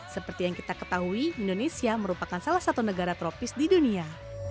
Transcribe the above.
seperti yang kita ketahui indonesia merupakan salah satu negara tropis di dunia